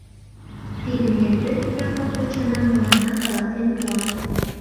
Тидын нерген Япык кочана мыланна каласен пуа.